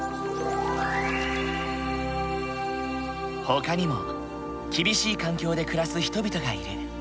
ほかにも厳しい環境で暮らす人々がいる。